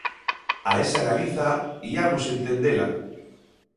A esa Galiza iamos entendela.